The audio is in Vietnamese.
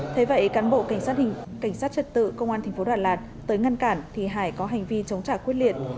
thế vậy cán bộ cảnh sát trật tự công an tp đà lạt tới ngăn cản thì hải có hành vi chống trả quyết liệt